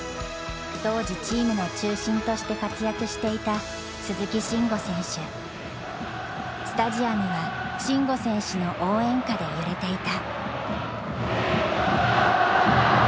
当時チームの中心として活躍していたスタジアムは慎吾選手の応援歌で揺れていた。